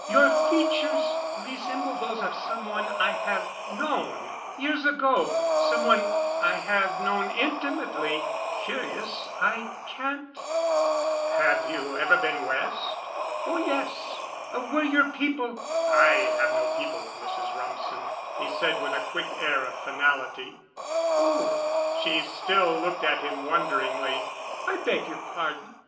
Your features resemble those of some one I have known—years ago—some one I have known intimately—curious I can't——" "Have you ever been West?" "Oh, yes. Were your people——?" "I have no people, Mrs. Rumsen," he said with a quick air of finality. "Oh!" She still looked at him wonderingly. "I beg your pardon."